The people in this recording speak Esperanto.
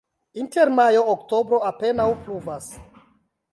Inter majo-oktobro apenaŭ pluvas.